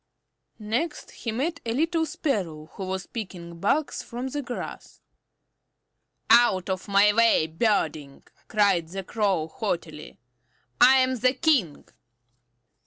Next he met a little Sparrow who was picking bugs from the grass. "Out of my way, Birdling!" cried the Crow haughtily. "I am the King."